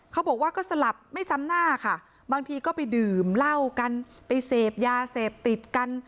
เขาบอกว่าก็สลับไม่ซ้ำหน้าค่ะบางทีก็ไปดื่มเหล้ากันไปเสพยาเสพติดกัน